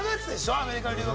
アメリカ留学。